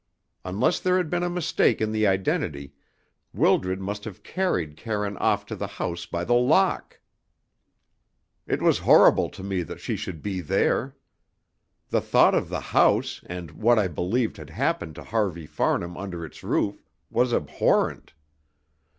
Unless there had been a mistake in the identity, Wildred must have carried Karine off to the House by the Lock! It was horrible to me that she should be there. The thought of the house, and what I believed had happened to Harvey Farnham under its roof, was abhorrent.